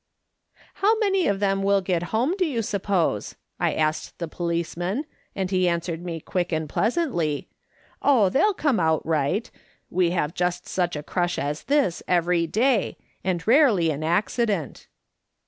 "' How many of them will get home, do you sup pose V I asked the policeman, and he answered me quick and pleasantly : "'Oh, they'll come out right. We have just such a crush as this every day, and rarely an acci dent.'